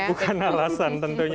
bukan alasan tentunya